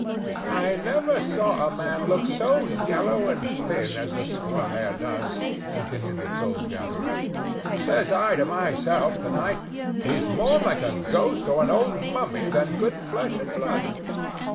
"I never saw a man look so yellow and thin as the squire does," continued the toll gatherer. "Says I to myself tonight, 'He's more like a ghost or an old mummy than good flesh and blood.